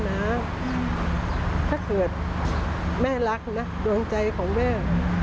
ถ้าเกิดแม่รักนะดวงใจของแม่